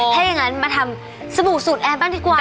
ถ้าอย่างนั้นมาทำสบู่สูตรแอนบ้างดีกว่า